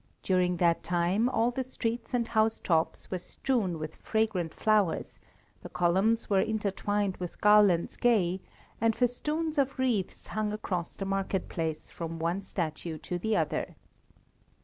During that time all the streets and housetops were strewn with fragrant flowers, the columns were intertwined with garlands gay and festoons of wreaths hung across the market place from one statue to the other.